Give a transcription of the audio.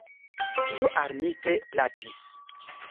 Tio al mi tre plaĉis.